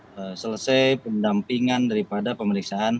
jadi selesai pendampingan daripada pemeriksaan